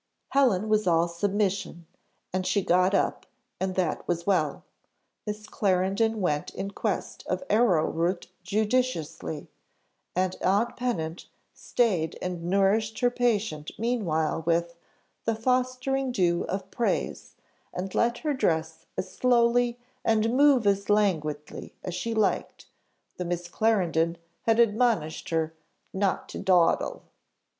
Helen was all submission, and she got up, and that was well. Miss Clarendon went in quest of arrow root judiciously; and aunt Pennant stayed and nourished her patient meanwhile with "the fostering dew of praise;" and let her dress as slowly and move as languidly as she liked, though Miss Clarendon had admonished her "not to dawdle."